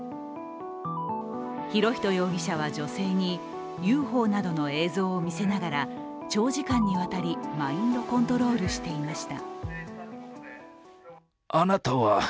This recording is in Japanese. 博仁容疑者は女性にＵＦＯなどの映像を見せながら長時間にわたりマインドコントロールしていました。